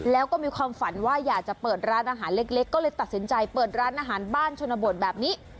แล้วก็มีความฝันว่าอยากจะเปิดร้านอาหารเล็กก็เลยตัดสินใจเปิดร้านอาหารบ้านชนบทแบบนี้